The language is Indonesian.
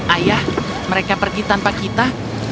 ayah mereka pergi tanpa kita